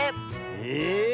え⁉